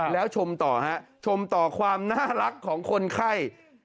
แล้วชมต่อความน่ารักของคนไข้